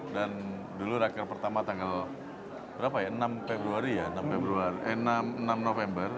dan dulu raker pertama tanggal enam november